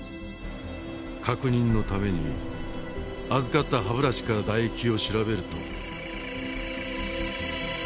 確認のために預かった歯ブラシから唾液を調べると。